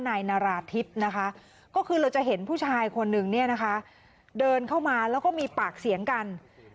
นายนาราติธเราก็เห็นผู้ชายคนหนึ่งเดินเข้ามามีปากเสียงกัน